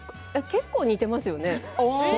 結構似ていますよね。